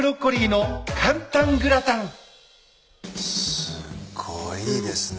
すごいですね。